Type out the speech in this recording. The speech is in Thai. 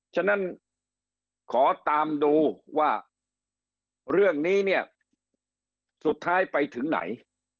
ฉะนั้นขอตามดูว่าเรื่องนี้เนี่ยสุดท้ายไปถึงไหน